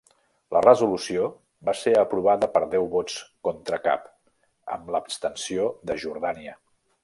La resolució va ser aprovada per deu vots contra cap, amb l'abstenció de Jordània.